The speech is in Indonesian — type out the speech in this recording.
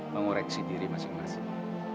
mengoreksi diri masing masing